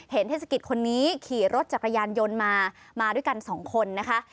เทศกิจคนนี้ขี่รถจักรยานยนต์มามาด้วยกันสองคนนะคะ